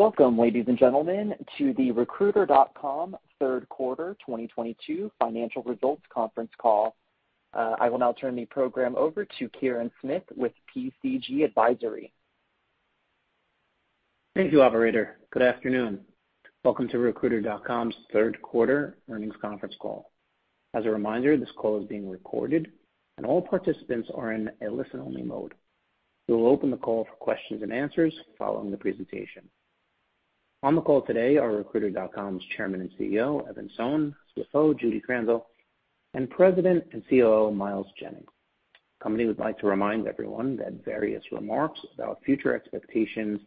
Welcome, ladies and gentlemen, to the Recruiter.com third quarter 2022 financial results conference call. I will now turn the program over to Kirin Smith with PCG Advisory. Thank you, operator. Good afternoon. Welcome to Recruiter.com's third quarter earnings conference call. As a reminder, this call is being recorded, and all participants are in a listen-only mode. We will open the call for questions and answers following the presentation. On the call today are Recruiter.com's Chairman and CEO, Evan Sohn, CFO, Judy Krandel, and President and COO, Miles Jennings. Company would like to remind everyone that various remarks about future expectations,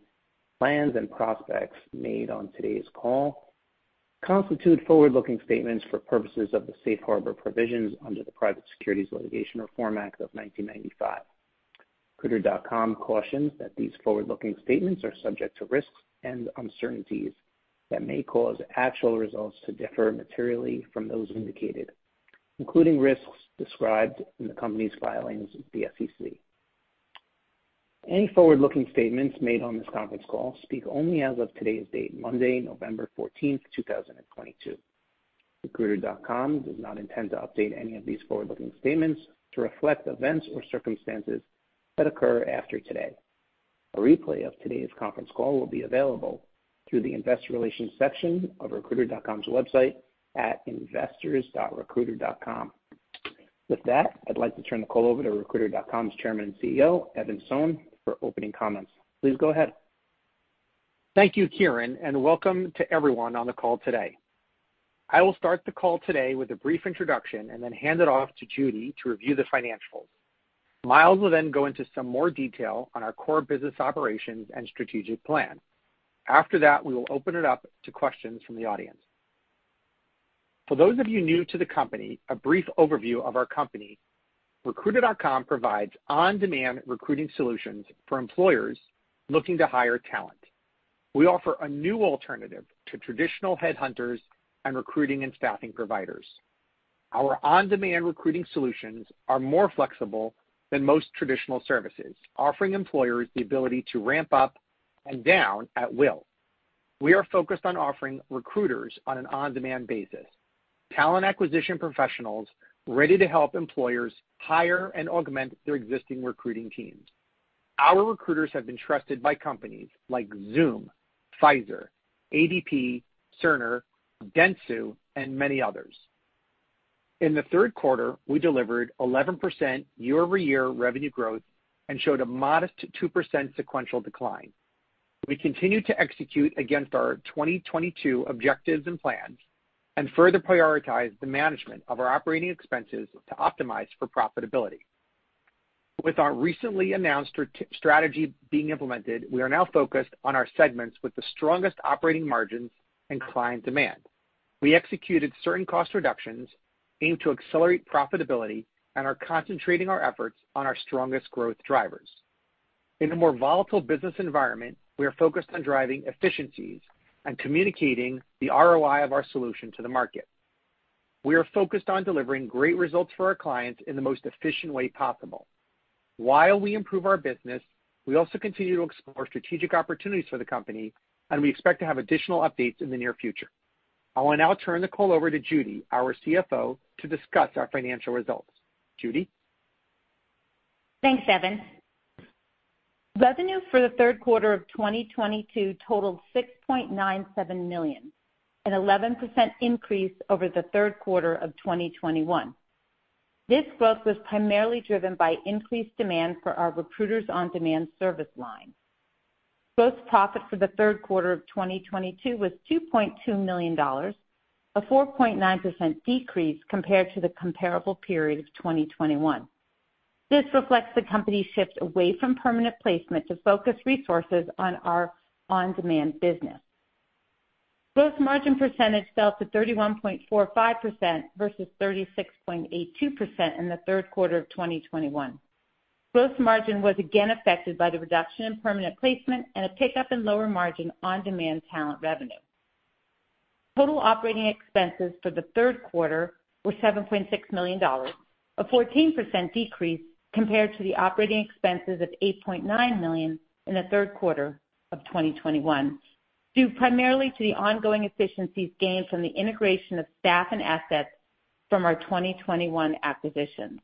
plans, and prospects made on today's call constitute forward-looking statements for purposes of the safe harbor provisions under the Private Securities Litigation Reform Act of 1995. Recruiter.com cautions that these forward-looking statements are subject to risks and uncertainties that may cause actual results to differ materially from those indicated, including risks described in the company's filings with the SEC. Any forward-looking statements made on this conference call speak only as of today's date, Monday, November fourteenth, two thousand and twenty-two. Recruiter.com does not intend to update any of these forward-looking statements to reflect events or circumstances that occur after today. A replay of today's conference call will be available through the investor relations section of Recruiter.com's website at investors dot recruiter dot com. With that, I'd like to turn the call over to Recruiter.com's Chairman and CEO, Evan Sohn, for opening comments. Please go ahead. Thank you, Kirin, and welcome to everyone on the call today. I will start the call today with a brief introduction, and then hand it off to Judy to review the financials. Miles will then go into some more detail on our core business operations and strategic plan. After that, we will open it up to questions from the audience. For those of you new to the company, a brief overview of our company. Recruiter.com provides on-demand recruiting solutions for employers looking to hire talent. We offer a new alternative to traditional headhunters and recruiting and staffing providers. Our on-demand recruiting solutions are more flexible than most traditional services, offering employers the ability to ramp up and down at will. We are focused on offering recruiters on an on-demand basis, talent acquisition professionals ready to help employers hire and augment their existing recruiting teams. Our recruiters have been trusted by companies like Zoom, Pfizer, ADP, Cerner, Dentsu, and many others. In the third quarter, we delivered 11% year-over-year revenue growth and showed a modest 2% sequential decline. We continue to execute against our 2022 objectives and plans and further prioritize the management of our operating expenses to optimize for profitability. With our recently announced strategy being implemented, we are now focused on our segments with the strongest operating margins and client demand. We executed certain cost reductions aimed to accelerate profitability and are concentrating our efforts on our strongest growth drivers. In a more volatile business environment, we are focused on driving efficiencies and communicating the ROI of our solution to the market. We are focused on delivering great results for our clients in the most efficient way possible. While we improve our business, we also continue to explore strategic opportunities for the company, and we expect to have additional updates in the near future. I will now turn the call over to Judy, our CFO, to discuss our financial results. Judy? Thanks, Evan. Revenue for the third quarter of 2022 totaled $6.97 million, an 11% increase over the third quarter of 2021. This growth was primarily driven by increased demand for our recruiters on-demand service line. Gross profit for the third quarter of 2022 was $2.2 million, a 4.9% decrease compared to the comparable period of 2021. This reflects the company's shift away from permanent placement to focus resources on our on-demand business. Gross margin percentage fell to 31.45% versus 36.82% in the third quarter of 2021. Gross margin was again affected by the reduction in permanent placement and a pickup in lower margin on-demand talent revenue. Total operating expenses for the third quarter were $7.6 million, a 14% decrease compared to the operating expenses of $8.9 million in the third quarter of 2021, due primarily to the ongoing efficiencies gained from the integration of staff and assets from our 2021 acquisition.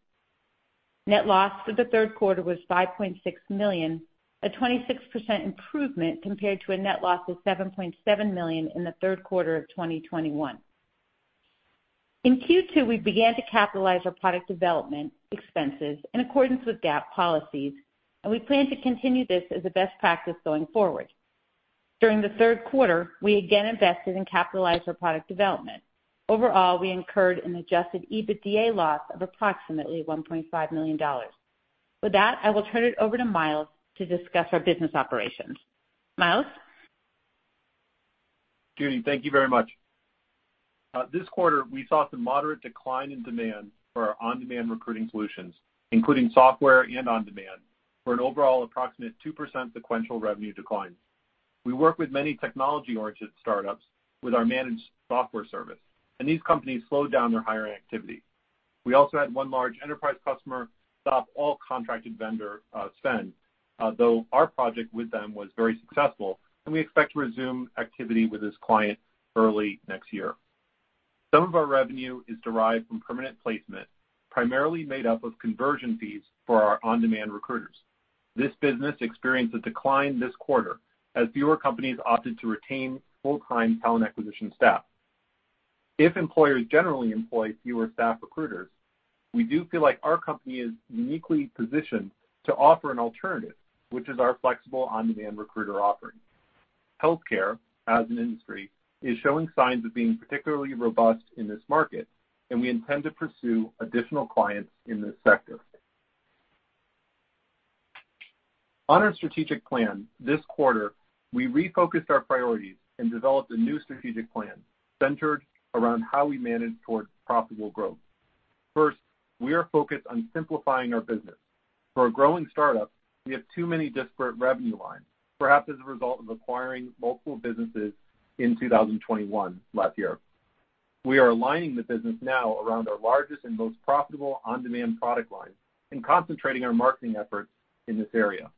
Net loss for the third quarter was $5.6 million, a 26% improvement compared to a net loss of $7.7 million in the third quarter of 2021. In Q2, we began to capitalize our product development expenses in accordance with GAAP policies, and we plan to continue this as a best practice going forward. During the third quarter, we again invested and capitalized our product development. Overall, we incurred an adjusted EBITDA loss of approximately $1.5 million. With that, I will turn it over to Miles to discuss our business operations. Miles? Judy, thank you very much. This quarter, we saw some moderate decline in demand for our on-demand recruiting solutions, including software and on-demand, for an overall approximate 2% sequential revenue decline. We work with many technology-oriented startups with our managed software service, and these companies slowed down their hiring activity. We also had one large enterprise customer stop all contracted vendor spend, though our project with them was very successful, and we expect to resume activity with this client early next year. Some of our revenue is derived from permanent placement, primarily made up of conversion fees for our on-demand recruiters. This business experienced a decline this quarter as fewer companies opted to retain full-time talent acquisition staff. If employers generally employ fewer staff recruiters, we do feel like our company is uniquely positioned to offer an alternative, which is our flexible on-demand recruiter offering. Healthcare, as an industry, is showing signs of being particularly robust in this market, and we intend to pursue additional clients in this sector. On our strategic plan, this quarter, we refocused our priorities and developed a new strategic plan centered around how we manage towards profitable growth. First, we are focused on simplifying our business. For a growing startup, we have too many disparate revenue lines, perhaps as a result of acquiring multiple businesses in 2021 last year. We are aligning the business now around our largest and most profitable on-demand product lines and concentrating our marketing efforts in this area.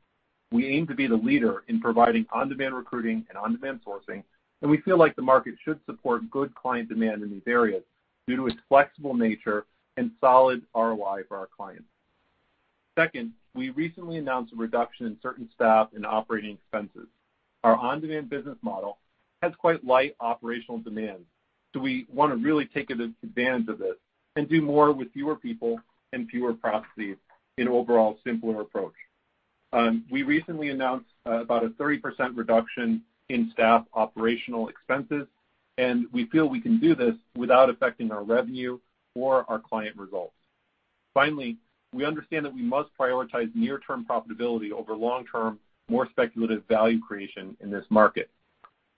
We aim to be the leader in providing on-demand recruiting and on-demand sourcing, and we feel like the market should support good client demand in these areas due to its flexible nature and solid ROI for our clients. Second, we recently announced a reduction in certain staff and operating expenses. Our on-demand business model has quite light operational demands, so we wanna really take advantage of this and do more with fewer people and fewer processes in an overall simpler approach. We recently announced about a 30% reduction in staff and operating expenses, and we feel we can do this without affecting our revenue or our client results. Finally, we understand that we must prioritize near-term profitability over long-term, more speculative value creation in this market.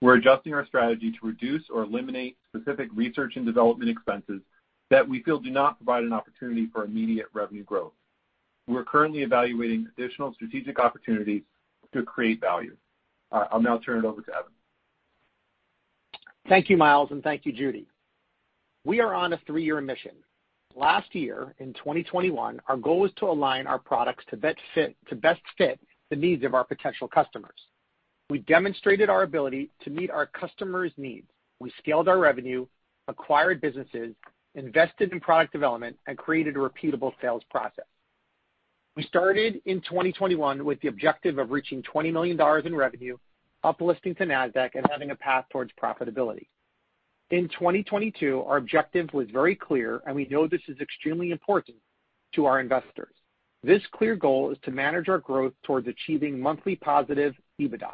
We're adjusting our strategy to reduce or eliminate specific research and development expenses that we feel do not provide an opportunity for immediate revenue growth. We're currently evaluating additional strategic opportunities to create value. I'll now turn it over to Evan. Thank you, Miles, and thank you, Judy. We are on a three-year mission. Last year, in 2021, our goal was to align our products to best fit the needs of our potential customers. We demonstrated our ability to meet our customers' needs. We scaled our revenue, acquired businesses, invested in product development, and created a repeatable sales process. We started in 2021 with the objective of reaching $20 million in revenue, uplisting to Nasdaq, and having a path towards profitability. In 2022, our objective was very clear, and we know this is extremely important to our investors. This clear goal is to manage our growth towards achieving monthly positive EBITDA.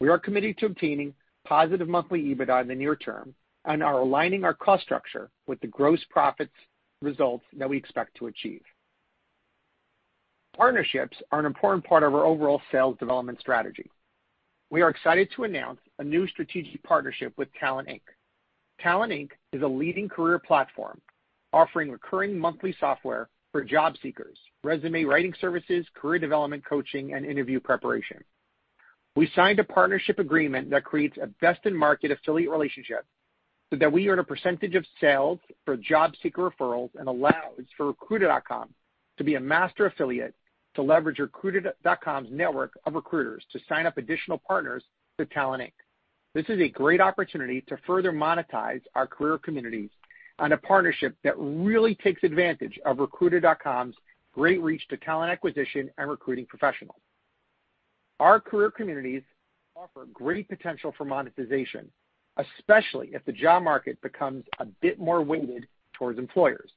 We are committed to obtaining positive monthly EBITDA in the near term and are aligning our cost structure with the gross profits results that we expect to achieve. Partnerships are an important part of our overall sales development strategy. We are excited to announce a new strategic partnership with Talent Inc. Talent Inc. is a leading career platform offering recurring monthly software for job seekers, resume writing services, career development coaching, and interview preparation. We signed a partnership agreement that creates a best-in-market affiliate relationship so that we earn a percentage of sales for job seeker referrals and allows for Recruiter.com to be a master affiliate to leverage Recruiter.com's network of recruiters to sign up additional partners to Talent Inc. This is a great opportunity to further monetize our career communities and a partnership that really takes advantage of Recruiter.com's great reach to talent acquisition and recruiting professionals. Our career communities offer great potential for monetization, especially if the job market becomes a bit more weighted towards employers.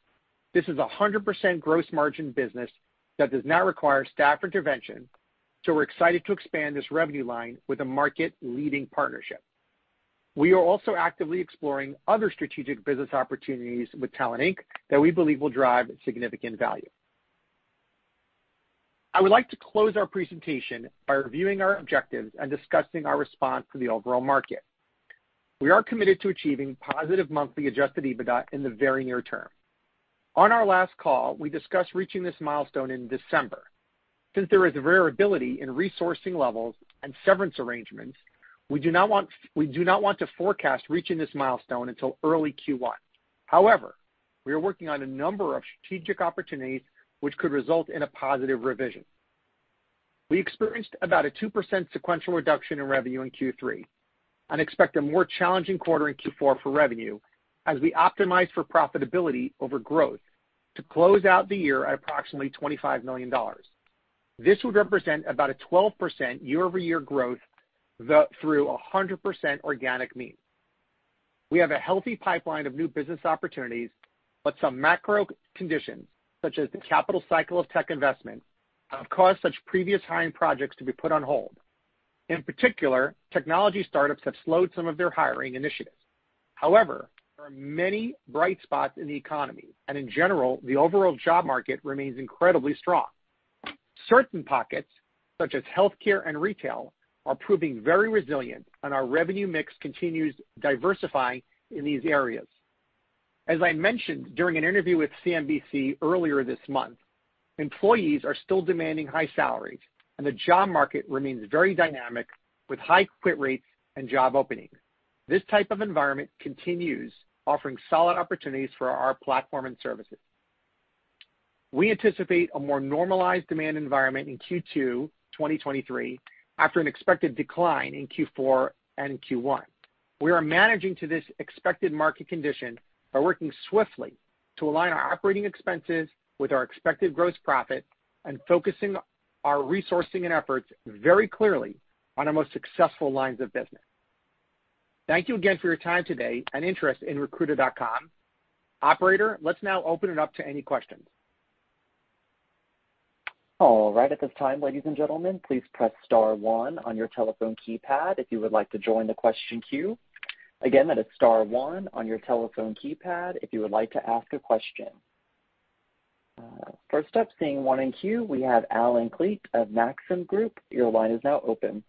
This is a 100% gross margin business that does not require staff intervention, so we're excited to expand this revenue line with a market-leading partnership. We are also actively exploring other strategic business opportunities with TalentInc. Inc.that we believe will drive significant value. I would like to close our presentation by reviewing our objectives and discussing our response to the overall market. We are committed to achieving positive monthly adjusted EBITDA in the very near term. On our last call, we discussed reaching this milestone in December. Since there is variability in resourcing levels and severance arrangements, we do not want to forecast reaching this milestone until early Q1. However, we are working on a number of strategic opportunities which could result in a positive revision. We experienced about a 2% sequential reduction in revenue in Q3 and expect a more challenging quarter in Q4 for revenue as we optimize for profitability over growth to close out the year at approximately $25 million. This would represent about a 12% year-over-year growth through 100% organic means. We have a healthy pipeline of new business opportunities, but some macro conditions, such as the capital cycle of tech investment, have caused such previous hiring projects to be put on hold. In particular, technology startups have slowed some of their hiring initiatives. However, there are many bright spots in the economy, and in general, the overall job market remains incredibly strong. Certain pockets, such as healthcare and retail, are proving very resilient, and our revenue mix continues diversifying in these areas. As I mentioned during an interview with CNBC earlier this month. Employees are still demanding high salaries, and the job market remains very dynamic with high quit rates and job openings. This type of environment continues offering solid opportunities for our platform and services. We anticipate a more normalized demand environment in Q2 2023 after an expected decline in Q4 and Q1. We are managing to this expected market condition by working swiftly to align our operating expenses with our expected gross profit, and focusing our resourcing and efforts very clearly on our most successful lines of business. Thank you again for your time today and interest in Recruiter.com. Operator, let's now open it up to any questions. All right. At this time, ladies and gentlemen, please press star one on your telephone keypad if you would like to join the question queue. Again, that is star one on your telephone keypad if you would like to ask a question. First up, seeing one in queue, we have Allen Klee of Maxim Group. Your line is now open.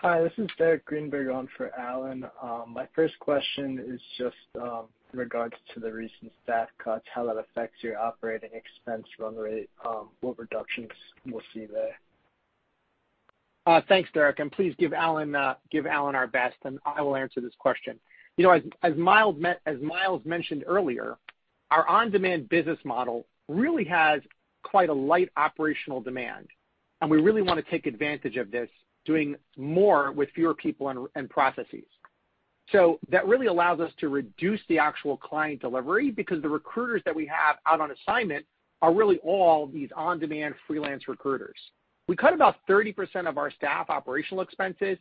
Hi, this is Derek Greenberg on for Allen Klee. My first question is just in regards to the recent staff cuts, how that affects your operating expense run rate, what reductions we'll see there? Thanks, Derek, and please give Allen our best, and I will answer this question. You know, as Miles mentioned earlier, our on-demand business model really has quite a light operational demand, and we really wanna take advantage of this doing more with fewer people and processes. That really allows us to reduce the actual client delivery because the recruiters that we have out on assignment are really all these on-demand freelance recruiters. We cut about 30% of our staff operational expenses.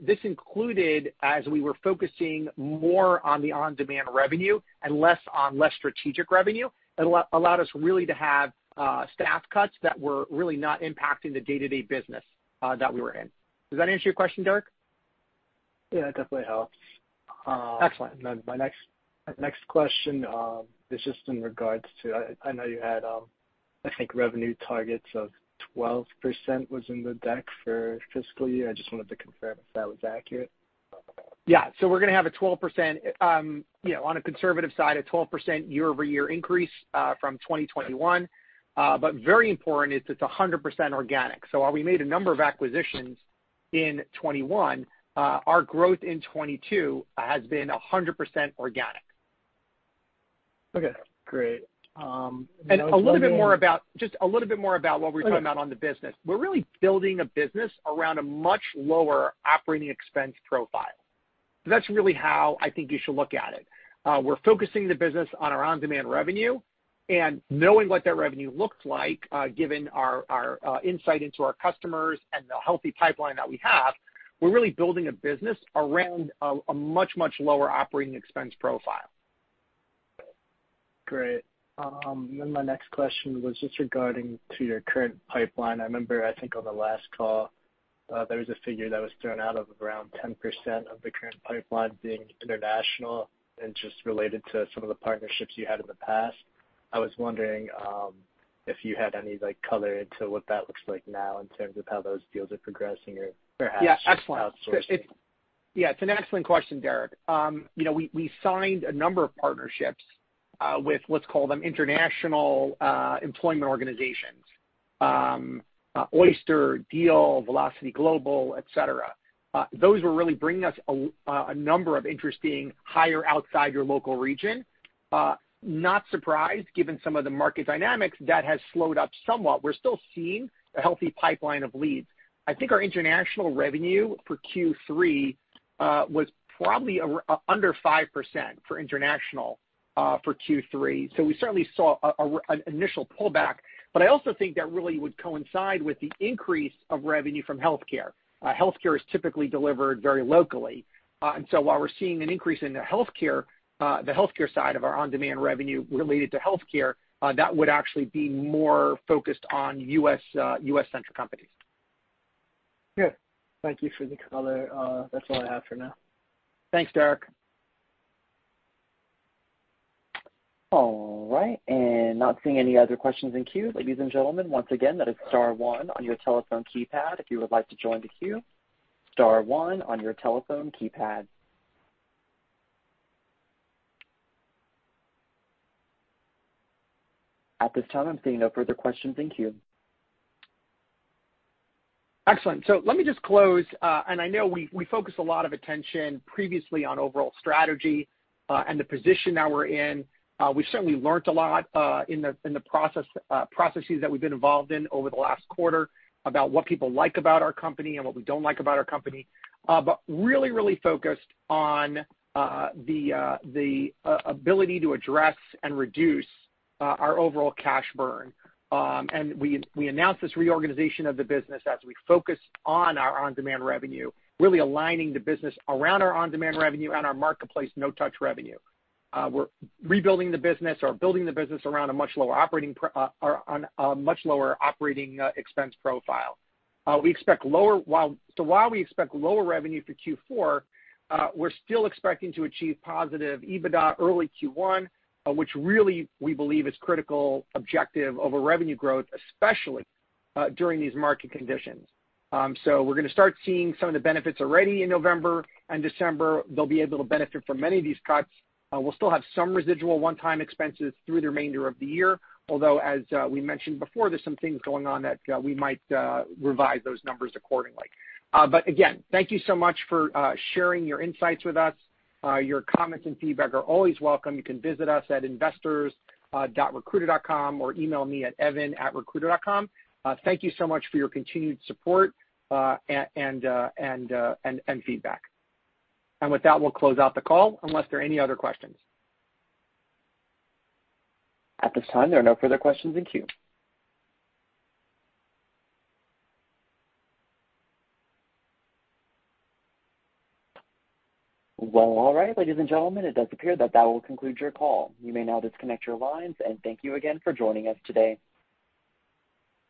This included as we were focusing more on the on-demand revenue and less on less strategic revenue. It allowed us really to have staff cuts that were really not impacting the day-to-day business that we were in. Does that answer your question, Derek? Yeah, it definitely helps. Excellent. My next question is just in regards to, I know you had I think revenue targets of 12% was in the deck for fiscal year. I just wanted to confirm if that was accurate. Yeah. We're gonna have a 12%, you know, on a conservative side, a 12% year-over-year increase from 2021. Very important is it's 100% organic. While we made a number of acquisitions in 2021, our growth in 2022 has been 100% organic. Okay, great. My only- Just a little bit more about what we're talking about on the business. We're really building a business around a much lower operating expense profile. That's really how I think you should look at it. We're focusing the business on our on-demand revenue and knowing what that revenue looks like, given our insight into our customers and the healthy pipeline that we have. We're really building a business around a much lower operating expense profile. Great. My next question was just regarding to your current pipeline. I remember, I think on the last call, there was a figure that was thrown out of around 10% of the current pipeline being international and just related to some of the partnerships you had in the past. I was wondering if you had any, like, color into what that looks like now in terms of how those deals are progressing or perhaps. Yeah, excellent. outsourcing. Yeah, it's an excellent question, Derek. You know, we signed a number of partnerships with, let's call them international employment organizations. Oyster, Deel, Velocity Global, et cetera. Those were really bringing us a number of interesting hires outside your local region. Not surprised, given some of the market dynamics, that has slowed up somewhat. We're still seeing a healthy pipeline of leads. I think our international revenue for Q3 was probably under 5% for international for Q3. We certainly saw an initial pullback. I also think that really would coincide with the increase of revenue from healthcare. Healthcare is typically delivered very locally. While we're seeing an increase in the healthcare side of our on-demand revenue related to healthcare, that would actually be more focused on U.S.-centric companies. Good. Thank you for the color. That's all I have for now. Thanks, Derek. All right. Not seeing any other questions in queue, ladies and gentlemen, once again, that is star one on your telephone keypad. If you would like to join the queue, star one on your telephone keypad. At this time, I'm seeing no further questions in queue. Excellent. Let me just close. I know we focused a lot of attention previously on overall strategy and the position that we're in. We've certainly learned a lot in the processes that we've been involved in over the last quarter about what people like about our company and what we don't like about our company. Really focused on the ability to address and reduce our overall cash burn. We announced this reorganization of the business as we focus on our on-demand revenue, really aligning the business around our on-demand revenue and our marketplace no-touch revenue. We're rebuilding the business or building the business around a much lower operating expense profile. While we expect lower revenue for Q4, we're still expecting to achieve positive EBITDA early Q1, which really we believe is critical objective over revenue growth, especially during these market conditions. We're gonna start seeing some of the benefits already in November and December. They'll be able to benefit from many of these cuts. We'll still have some residual one-time expenses through the remainder of the year, although, as we mentioned before, there's some things going on that we might revise those numbers accordingly. Again, thank you so much for sharing your insights with us. Your comments and feedback are always welcome. You can visit us at investors dot recruiter dot com or email me at evan at recruiter dot com. Thank you so much for your continued support and feedback. With that, we'll close out the call unless there are any other questions. At this time, there are no further questions in queue. Well, all right, ladies and gentlemen, it does appear that that will conclude your call. You may now disconnect your lines, and thank you again for joining us today.